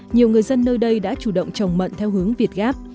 nhiều người dân nơi đây đã chủ động trồng mận theo hướng việt gáp